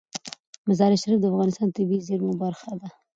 مزارشریف د افغانستان د طبیعي زیرمو برخه ده.